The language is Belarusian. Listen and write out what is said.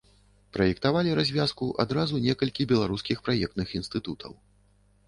Праектавалі развязку адразу некалькі беларускіх праектных інстытутаў.